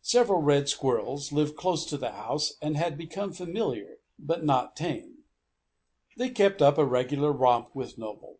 Several red squirrels lived close to the house, and had become familiar, but not tame. They kept up a regular romp with Noble.